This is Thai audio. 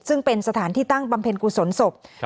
ซึ่งเป็นสถานที่ตั้งบำเพ็ญกุศลศพ